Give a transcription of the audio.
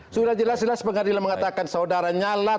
sudah jelas jelas pengadilan mengatakan saudara nyala